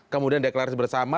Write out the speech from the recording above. kemudian deklarasi bersama